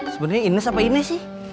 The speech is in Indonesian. sebenarnya ines apa ines sih